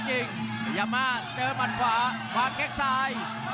พยายามมาเจอหมัดขวาวางแข้งซ้าย